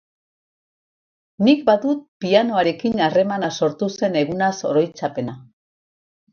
Nik badut pianoarekin harremana sortu zen egunaz oroitzapena.